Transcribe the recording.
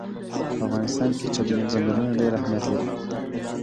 په افغانستان کې چنګلونه ډېر اهمیت لري.